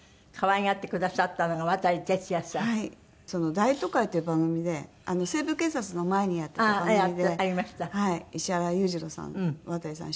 『大都会』っていう番組で『西部警察』の前にやってた番組で石原裕次郎さん渡さん主演で。